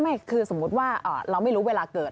ไม่คือสมมุติว่าเราไม่รู้เวลาเกิด